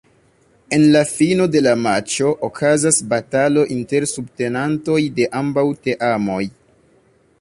En la fino de la matĉo okazas batalo inter subtenantoj de ambaŭ teamoj.